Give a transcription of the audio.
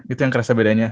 itu yang kerasa bedanya